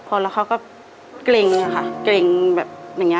พอแล้วเขาก็เกร็งแบบนี้